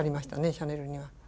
シャネルには。